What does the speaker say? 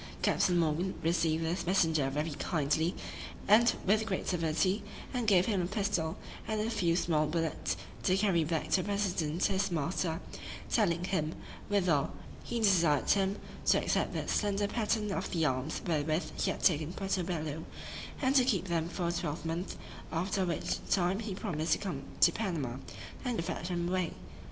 Captain Morgan received this messenger very kindly, and with great civility; and gave him a pistol, and a few small bullets, to carry back to the president his master; telling him, withal, "he desired him to accept that slender pattern of the arms wherewith he had taken Puerto Bello, and keep them for a twelvemonth; after which time he promised to come to Panama, and fetch them away."